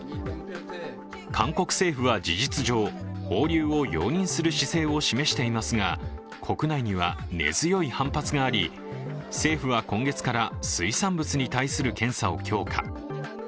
韓国政府は事実上放流を容認する姿勢を示していますが、国内には、根強い反発があり政府は今月から、水産物に対する検査を強化。